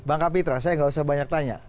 bang kapitra saya nggak usah banyak tanya